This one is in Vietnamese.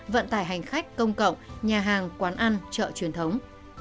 vận tải hành khách công cộng nhà hàng quán ăn chợ truyền thống